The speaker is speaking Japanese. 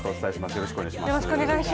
よろしくお願いします。